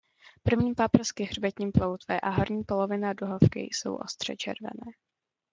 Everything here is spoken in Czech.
První paprsky hřbetní ploutve a horní polovina duhovky jsou ostře červené.